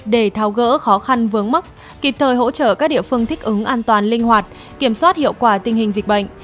để tháo gỡ khó khăn vướng mắc kịp thời hỗ trợ các địa phương thích ứng an toàn linh hoạt kiểm soát hiệu quả tình hình dịch bệnh